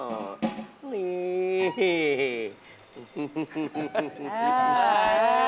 นี่